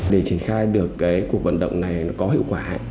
để triển khai được cuộc vận động này có hiệu quả